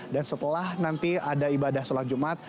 dan setelah nanti ada ibadah sholat jumat